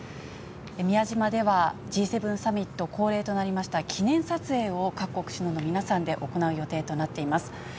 宮島では、Ｇ７サミット恒例となりました、記念撮影を各国首脳の皆さんで行う予定となっています。